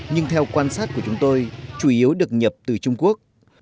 nhưng theo quan sát của chúng tôi chủ yếu được nhập từ trung quốc